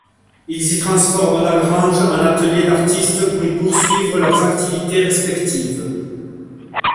Ils y transforment la grange en atelier d'artiste pour y poursuivre leurs activités respectives.